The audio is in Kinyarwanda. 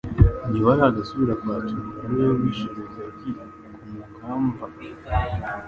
Ntibaragasubira kwatsa umuriro ari we wishe Rugaryi ku Mugamba,